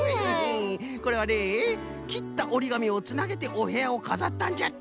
これはねきったおりがみをつなげておへやをかざったんじゃって。